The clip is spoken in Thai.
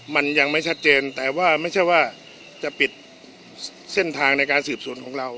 มันยังไม่ชัดเจนแต่ว่าไม่ใช่ว่าจะปิดเส้นทางในการสืบสวนของเรา